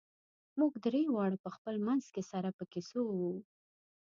موږ درې واړه په خپل منځ کې سره په کیسو وو.